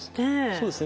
そうですね。